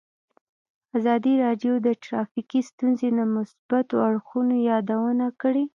ازادي راډیو د ټرافیکي ستونزې د مثبتو اړخونو یادونه کړې.